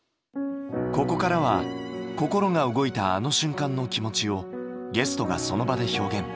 ここからは心が動いたあの瞬間の気持ちをゲストがその場で表現。